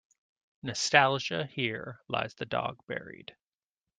Nostalgia Here lies the dog buried.